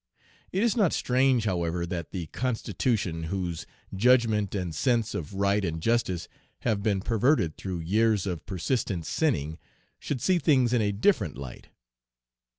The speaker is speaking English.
"It is not strange, however, that the Constitution, whose judgment and sense of right and justice have been perverted through years of persistent sinning, should see things in a different light.